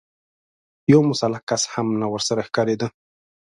يو مسلح کس هم نه ورسره ښکارېده.